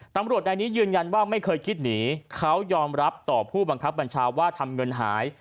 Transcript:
ตำรวจนายนี้ยืนยันว่าไม่เคยคิดหนีเขายอมรับต่อผู้บังคับบัญชาว่าทำเงินหาย